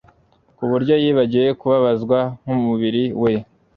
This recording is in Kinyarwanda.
ku buryo yibagiwe kubabazwa k'umubiri we.